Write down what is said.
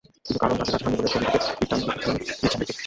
কিন্তু করণ তাতে রাজি হননি বলেই ছবিটি থেকে পিঠটান দিয়েছেন হৃতিক।